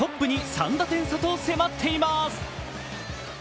３打点差と迫っています。